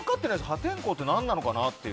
破天荒って何なのかなと。